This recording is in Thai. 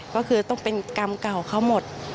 ก็คือต้องเป็นกรรมเก่าเขาหมด